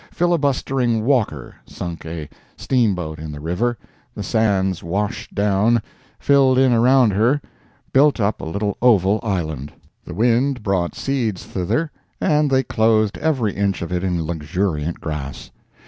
Filibustering Walker sunk a steamboat in the river; the sands washed down, filled in around her, built up a little oval island. The wind brought seeds thither, and they clothed every inch of it in luxuriant grass.